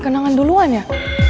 kenangan duluan ya